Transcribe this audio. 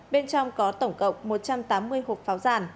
bên trong có tổng cộng một trăm tám mươi hộp pháo giàn